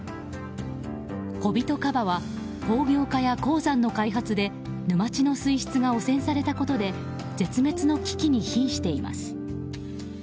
コビトカバは工業化や鉱山の開発で沼地の水質が汚染されたことで絶滅の危機に瀕しています。